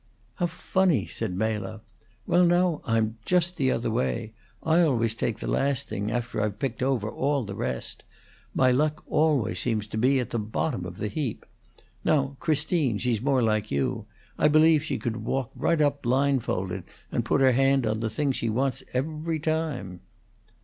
"How funny!" said Mela. "Well, now, I'm just the other way. I always take the last thing, after I've picked over all the rest. My luck always seems to be at the bottom of the heap. Now, Christine, she's more like you. I believe she could walk right up blindfolded and put her hand on the thing she wants every time."